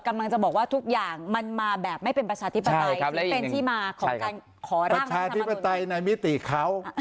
กำลังจะบอกว่าทุกอย่างมันมาแบบไม่เป็นประชาธิปตาไและก่อด้านมิติเขา